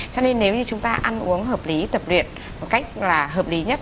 cho nên nếu như chúng ta ăn uống hợp lý tập luyện một cách là hợp lý nhất